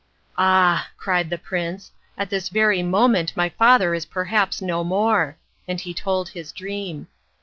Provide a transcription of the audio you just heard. "Ah!" cried the prince, "at this very moment my father is perhaps no more!" and he told his dream.